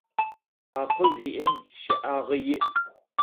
Акъыл зиӏэм щэӏагъэ иӏ.